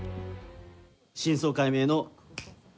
真相解明の。